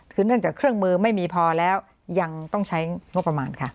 คือเนื่องจากเครื่องมือไม่มีพอแล้วยังต้องใช้งบประมาณค่ะ